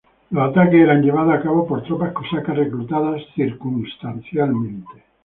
Los ataques eran llevados a cabo por tropas cosacas, reclutadas circunstancialmente.